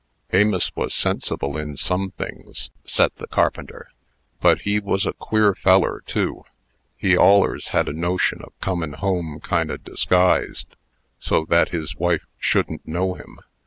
"Amos was sensible in some things," said the carpenter. "But he was a queer feller, too. He allers had a notion of comin' home kind o' disguised, so that his wife shouldn't know him.